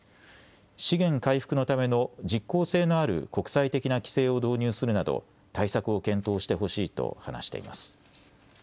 資源回復のための実効性のある国際的な規制を導入するなど対策を検討してほしいと話しています。